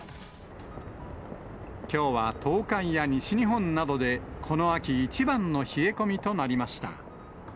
きょうは東海や西日本などで、この秋一番の冷え込みとなりました。